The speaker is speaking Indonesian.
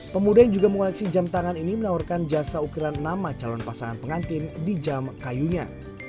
pemuda yang juga mengoleksi jam tangan ini menawarkan jasa ukiran nama calon pasangan pengantin di jam kayunya